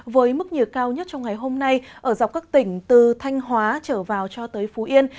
với mức nhiệt cao nhất trong ngày hôm nay ở dọc các tỉnh từ thanh hóa trở vào cho tới phú yên